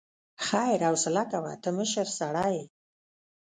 خير حوصله کوه، ته مشر سړی يې.